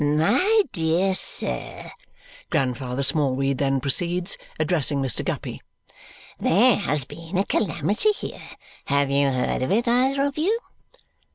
"My dear sir," Grandfather Smallweed then proceeds, addressing Mr. Guppy, "there has been a calamity here. Have you heard of it, either of you?"